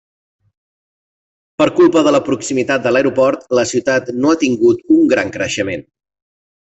Per culpa de la proximitat de l'aeroport la ciutat no ha tingut un gran creixement.